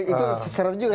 itu seron juga